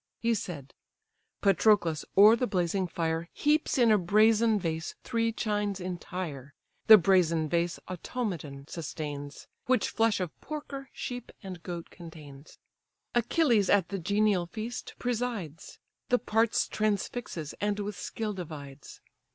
He said: Patroclus o'er the blazing fire Heaps in a brazen vase three chines entire: The brazen vase Automedon sustains, Which flesh of porker, sheep, and goat contains. Achilles at the genial feast presides, The parts transfixes, and with skill divides.